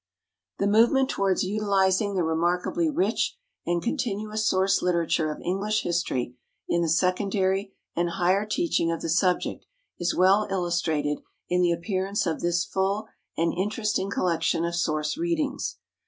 The movement towards utilizing the remarkably rich and continuous source literature of English history in the secondary and higher teaching of the subject is well illustrated in the appearance of this full and interesting collection of source readings.